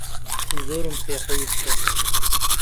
زۆرم پێ عەیب بوو